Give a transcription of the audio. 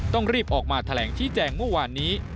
ต้องรีบออกมาแถลงชี้แจงเมื่อวานนี้